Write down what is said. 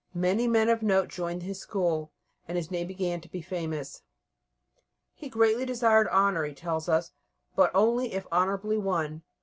Many men of note joined his school, and his name began to be famous. He greatly desired honour, he tells us, but only if honourably won.